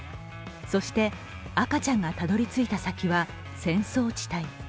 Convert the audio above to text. そして、赤ちゃんがたどり着いた先は戦争地帯。